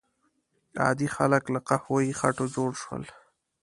عادي خلک له قهوه یي خټو جوړ شول.